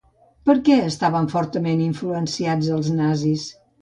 Per què estaven fortament influenciats els nazis?